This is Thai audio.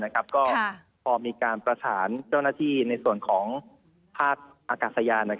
ก็พอมีการประสานเจ้าหน้าที่ในส่วนของภาคอากาศยาน